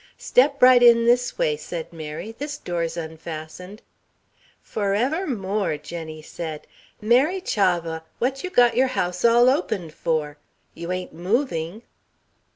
"Step right in this way," said Mary; "this door's unfastened." "Forevermore!" Jenny said, "Mary Chavah! What you got your house all open for? You ain't moving?"